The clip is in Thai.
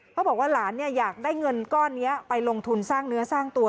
เขาบอกว่าหลานอยากได้เงินก้อนนี้ไปลงทุนสร้างเนื้อสร้างตัว